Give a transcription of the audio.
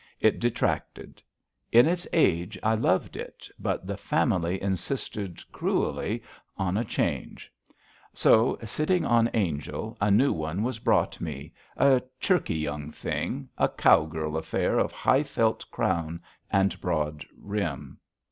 It detracted. In its age, I loved it, but the Family insisted cruelly on a change. So, sitting on Angel, a new one was brought me, a chirky young thing, a cowgirl affair of high felt crown and broad rim.